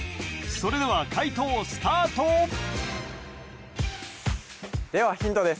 それでは解答スタートではヒントです